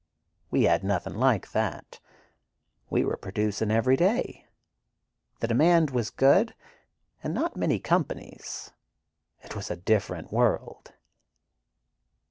We had nothing like that. We were producing every day. The demand was good, and not many companies. It was a different world."